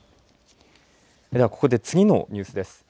ここで次のニュースです。